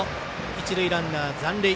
一塁ランナー、残塁。